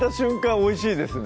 おいしいですね